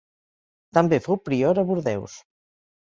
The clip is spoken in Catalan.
També fou prior a Bordeus.